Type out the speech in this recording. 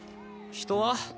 人は？